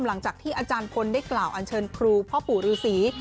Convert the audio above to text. หลังจากที่อาจารย์พลได้กล่าวอันเชิญครูพ่อปู่ฤษี